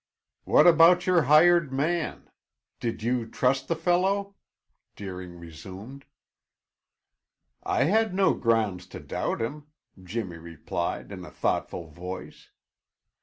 "What about your hired man? Did you trust the fellow?" Deering resumed. "I had no grounds to doubt him," Jimmy replied in a thoughtful voice.